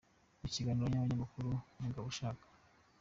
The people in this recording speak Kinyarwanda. Mu kiganiro n’abanyamakuru, Mugabushaka.